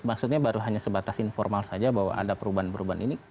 maksudnya baru hanya sebatas informal saja bahwa ada perubahan perubahan ini